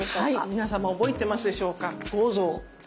皆様覚えてますでしょうか五臓。